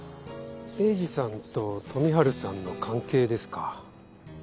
栄治さんと富治さんの関係ですか？